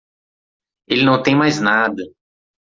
Ele não tem mais nada.